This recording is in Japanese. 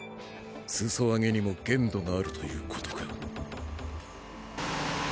裾上げにも限度があるということか。